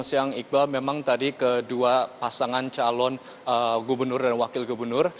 siang iqbal memang tadi kedua pasangan calon gubernur dan wakil gubernur